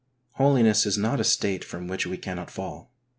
Holiness is not a state from which we cannot fall.